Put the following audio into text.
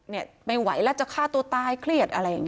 นี่ไม่ไหวแล้วจะฆ่าตัวตายเครียด